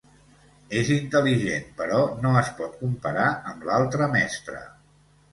És intel·ligent, però no es pot comparar amb l'altre mestre.